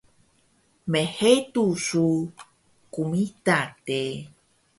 mhedu su qmita de